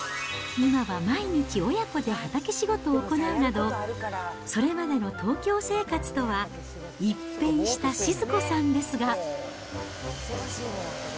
今は毎日親子で畑仕事を行うなど、それまでの東京生活とは一変した志津子さんですが。